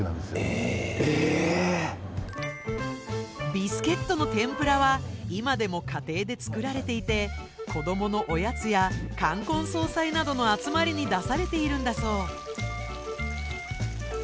ビスケットの天ぷらは今でも家庭で作られていて子供のおやつや冠婚葬祭などの集まりに出されているんだそう。